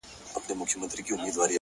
د ژوند کیفیت له فکره اغېزمنېږي,